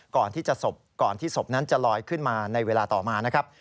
ก่อนที่จะสบก่อนที่สบนั้นจะลอยขึ้นมาในเวลาต่อมานะครับ